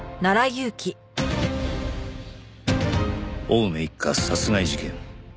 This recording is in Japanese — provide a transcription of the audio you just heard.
青梅一家殺害事件